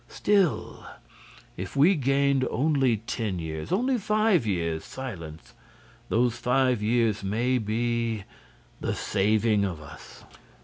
"Still, if we gained only ten years', only five years' silence! Those five years may be—the saving of us."